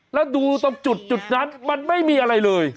แล้วดูตรงจุดนั้นมันไม่มีอะไรเลย